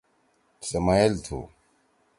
سے مئل تُھو۔